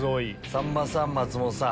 さんまさん松本さん